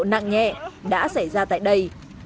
các bộ nặng nhẹ đã xảy ra tại đây